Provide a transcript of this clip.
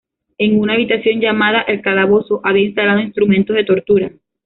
En una habitación llamada "el calabozo" había instalado instrumentos de tortura.